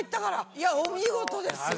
いやお見事ですスゴいよ！